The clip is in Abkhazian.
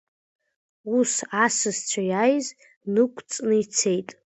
Ус асасцәа иааиз нықәҵны ицеит.